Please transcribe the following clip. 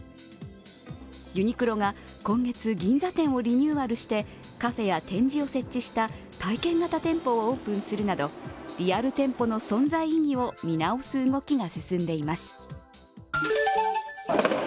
ユニクロが今月、銀座店をリニューアルしてカフェや展示を設置した体験型店舗をオープンするなど、リアル店舗の存在意義を見直す動きが進んでいます。